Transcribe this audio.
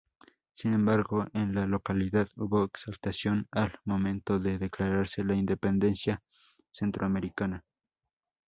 Sin embargo, en la localidad hubo exaltación al momento de declararse la independencia centroamericana.